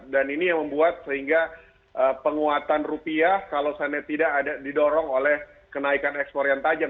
dan ini yang membuat sehingga penguatan rupiah kalau tidak didorong oleh kenaikan ekspor yang tajam